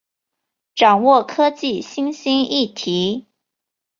掌握科技新兴议题